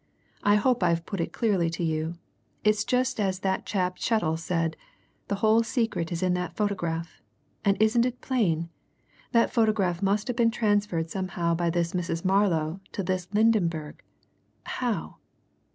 "I hope I've put it clearly to you. It's just as that Chap Chettle said the whole secret is in that photograph! And isn't it plain? that photograph must have been transferred somehow by this Mrs. Marlow to this Lydenberg. How?